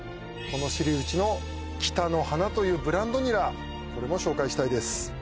この知内の北の華というブランドニラこれも紹介したいです